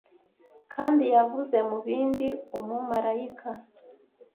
kandi yavuze mubindi umumarayika